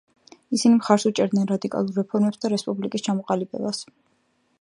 ისინი მხარს უჭერდნენ რადიკალურ რეფორმებს და რესპუბლიკის ჩამოყალიბებას.